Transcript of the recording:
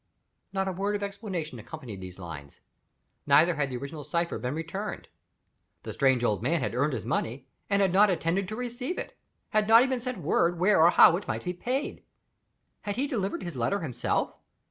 Not a word of explanation accompanied these lines. Neither had the original cipher been returned. The strange old man had earned his money, and had not attended to receive it had not even sent word where or how it might be paid! Had he delivered his letter himself?